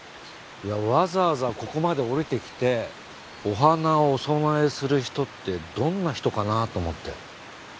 わざわざここまで下りてきてお花をお供えする人ってどんな人かなと思って。